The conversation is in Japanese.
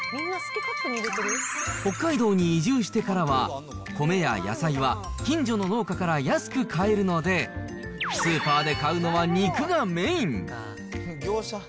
北海道に移住してからは、米や野菜は近所の農家から安く買えるので、スーパーで買うのは肉がメイン。